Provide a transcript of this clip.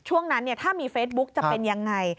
ช่วงนั้นถ้ามีเฟซบุ๊กจะเป็นยังไง